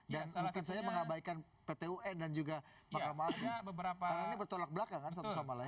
dan mungkin saja mengabaikan pt un dan juga mahkamah ardi karena ini bertolak belakang kan satu sama lain